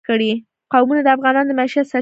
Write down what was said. قومونه د افغانانو د معیشت سرچینه ده.